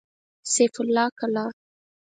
سيف الله کلا